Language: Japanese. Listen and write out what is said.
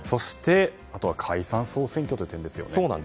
あとは解散・総選挙という点ですね。